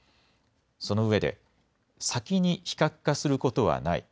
そのうえで先に非核化することはない。